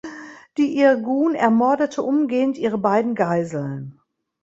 Die Irgun ermordete umgehend ihre beiden Geiseln.